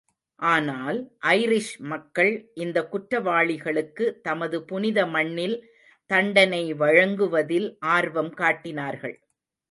ஆனால், ஐரிஷ் மக்கள் இந்த குற்றவாளிகளுக்கு தமது புனிதமண்ணில் தண்டனை வழங்குவதில் ஆர்வம் காட்டினார்கள்.